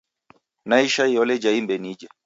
Naisha iyole ja imbe nije.